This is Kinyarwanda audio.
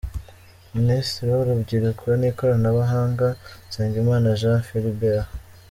Minisitiri w’Urubyiruko n’Ikoranabuhanga: Nsengimana Jean Philbert.